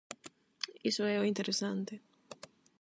Iso é o interesante.